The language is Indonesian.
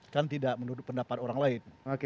kan tidak menurut pendapat orang lain